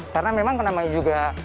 karena memang karena juga